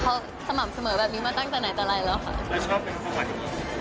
เขาสม่ำเสมอแบบนี้มาตั้งแต่ไหนแต่ไรแล้วค่ะ